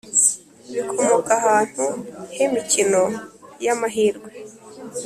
bikomoka ahantu h imikino y amahirwe